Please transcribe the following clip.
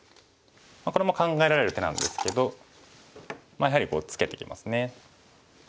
これも考えられる手なんですけどやはりツケてきますね。